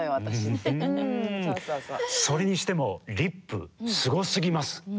それにしてもリップすごすぎます。